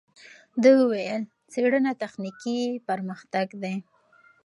ده وویل، څېړنه تخنیکي پرمختګ دی.